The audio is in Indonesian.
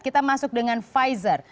kita masuk dengan pfizer